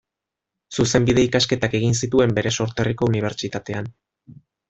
Zuzenbide ikasketak egin zituen bere sorterriko Unibertsitatean.